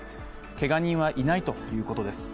けが人はいないということです